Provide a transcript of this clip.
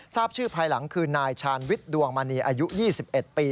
ทราบชื่อภายหลังคือนายชาญวิทย์ดวงมณีอายุ๒๑ปี